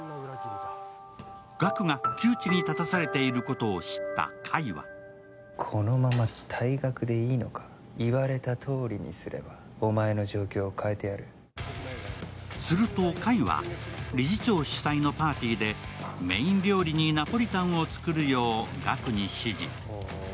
岳が窮地に立たされていることを知った海はすると海は、理事長主催のパーティーで、メイン料理にナポリタンを作るよう岳に指示。